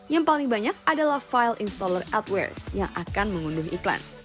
yang paling banyak adalah file installler edward yang akan mengunduh iklan